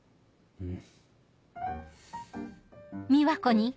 うん。